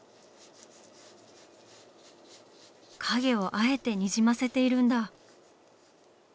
影をあえてにじませているんだ。